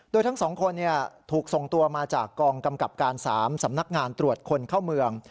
โดยทั้ง๒คนถูกส่งตัวมาจากกองกำกับการ๓สำนักงานตรวจคนเข้าเมือง